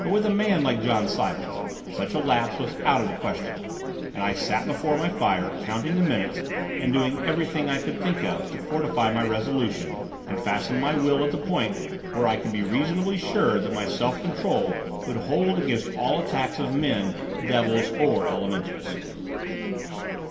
But with a man like John Silence, such a lapse was out of the question, and I sat before my fire counting the minutes and doing everything I could think of to fortify my resolution and fasten my will at the point where I could be reasonably sure that my self control would hold against all attacks of men, devils, or elementals.